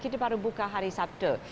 kita baru buka hari sabtu